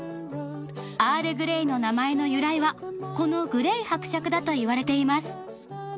アールグレイの名前の由来はこのグレイ伯爵だといわれています。